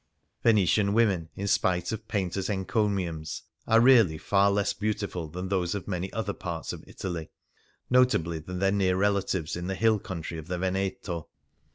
Venetian women, in spite of painters' enco miums, are really far less beautiful than those of many other parts of Italy, notably than their near relatives in the hill country of the Veneto.